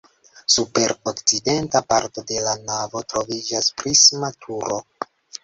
Super okcidenta parto de la navo troviĝas prisma turo.